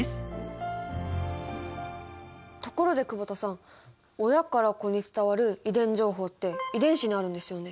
ところで久保田さん親から子に伝わる遺伝情報って遺伝子にあるんですよね？